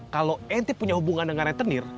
kalo ente punya hubungan dengan retenir